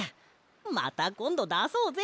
またこんどだそうぜ！